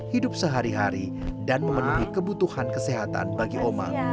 hidup sehari hari dan memenuhi kebutuhan kesehatan bagi omang